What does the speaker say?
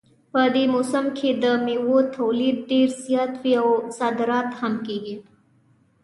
په دې موسم کې د میوو تولید ډېر زیات وي او صادرات هم کیږي